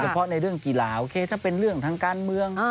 เพราะในเรื่องกีฬาโอเคถ้าเป็นเรื่องทางการเมือง